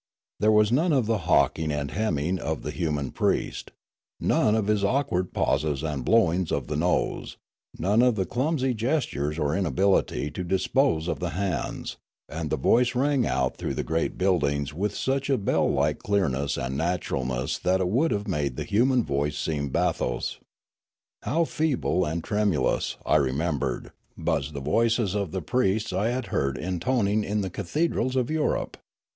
There was none of the hawking and hemming of the human priest, none of his awkward pauses and blowings of the nose, none of the clumsy gestures or inability to dispose of the hands; and the voice rang out through the great buildings with a bell like clearness and naturalness that would have made the human voice seem bathos. How feeble and tremu lous, I remembered, buzzed the voices of the priests I had heard intoning in the cathedrals of Europe!